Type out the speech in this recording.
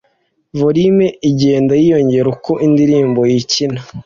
Volume igenda yiyongera uko indirimbo yikina